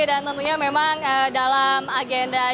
dan tentunya memang dalam agenda jakarta